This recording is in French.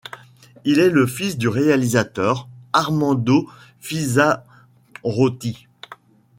Il est le fils du réalisateur Armando Fizzarotti.